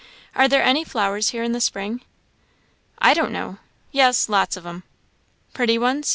Are there any flowers here in the spring?" "I don't know yes, lots of 'em." "Pretty ones?"